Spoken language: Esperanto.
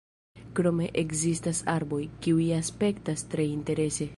Krome ekzistas arboj, kiuj aspektas tre interese.